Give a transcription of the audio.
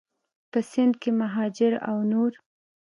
په سند کې مهاجر او نور